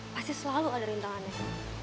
pasti selalu ada rintang aneh